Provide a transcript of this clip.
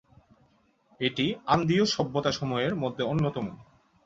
এটি আন্দীয় সভ্যতা সমূহের মধ্যে অন্যতম।